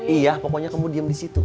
iya pokoknya kamu diem di situ